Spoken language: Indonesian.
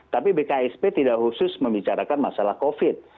tapi bksp tidak khusus membicarakan masalah covid